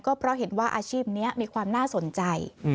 ก็เพราะเห็นว่าอาชีพนี้มีความน่าสนใจ